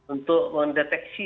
untuk mendeteksi pendulian